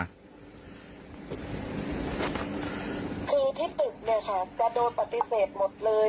คือที่ตึกเนี่ยค่ะจะโดนปฏิเสธหมดเลย